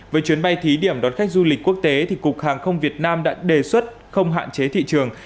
với chuyến bay thí điểm đón khách du lịch quốc tế cục hàng không việt nam đã đề xuất không hạn chế thị trường